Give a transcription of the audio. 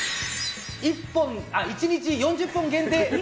１日４０本限定！